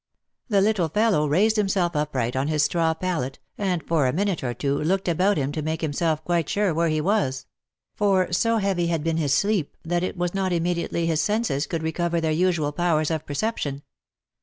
The little fellow raised himself upright on his straw pallet, and for a minute or two looked about him to make himself quite sure where he was ; for so heavy had been his sleep that it was not immediately his senses could recover their usual powers of perception.